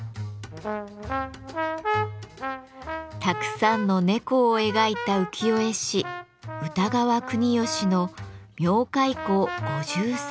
たくさんの猫を描いた浮世絵師歌川国芳の「猫飼好五拾三疋」。